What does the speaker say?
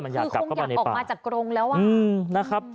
คือคงอยากออกมาจากกรงแล้วนะครับ